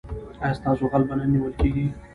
ایا ستاسو غل به نه نیول کیږي؟